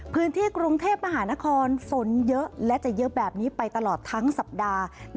พื้นที่กรุงเทพมหานครฝนเยอะและจะเยอะแบบนี้ไปตลอดทั้งสัปดาห์